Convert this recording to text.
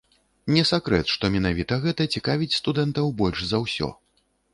Не сакрэт, што менавіта гэта цікавіць студэнтаў больш за ўсё.